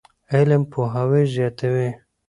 علم پوهاوی زیاتوي.